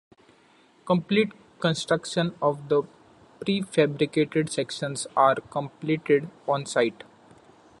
Complete construction of the prefabricated sections are completed on site.